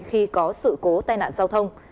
khi có sự cố tai nạn giao thông